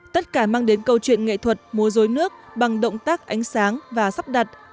tất cả mang đến câu chuyện nghệ thuật múa dối nước bằng động tác ánh sáng và sắp đặt